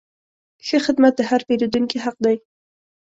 ښه خدمت د هر پیرودونکي حق دی.